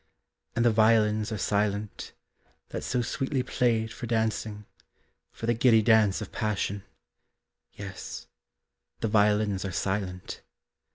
And the violins are silent, That so sweetly played for dancing, For the giddy dance of passion Yes, the violins are silent.